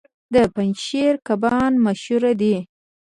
د پنجشیر کبان مشهور دي